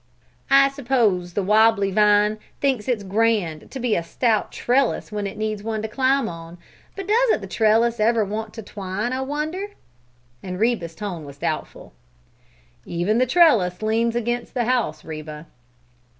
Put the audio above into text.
"I suppose the wobbly vine thinks it's grand to be a stout trellis when it needs one to climb on, but doesn't the trellis ever want to twine, I wonder?" And Reba's tone was doubtful. "Even the trellis leans against the house, Reba."